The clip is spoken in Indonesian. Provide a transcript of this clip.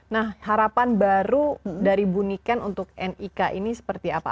nah harapan baru dari buniken untuk nik ini seperti apa